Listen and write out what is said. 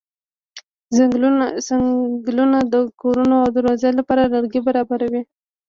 څنګلونه د کورونو او دروازو لپاره لرګي برابروي.